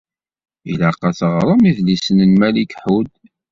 Ilaq ad teɣṛem idlisen n Malek Ḥud.